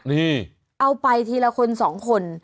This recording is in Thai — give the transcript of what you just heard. นี่เอาไปทีละคนสองคน